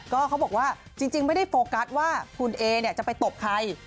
ก็เขาบอกว่าจริงไม่ได้โฟกัสว่าคุณเอเนี่ยจะไปตบใคร